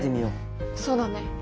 そうだね。